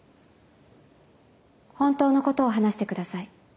本当のことを話してください。